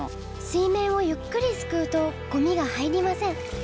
水面をゆっくりすくうとゴミが入りません。